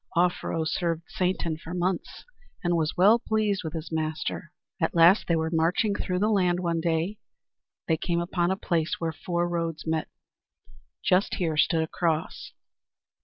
Offero served Satan for months and was well pleased with his master. At last, as they were marching through the land one day, they came upon a place where four roads met. Just here stood a cross.